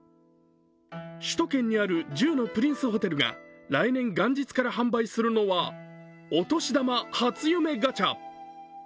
首都圏にある１０のプリンスホテルが来年元日から販売するのはお年玉初夢ガチャ。